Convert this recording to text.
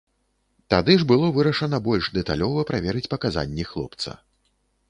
Тады ж было вырашана больш дэталёва праверыць паказанні хлопца.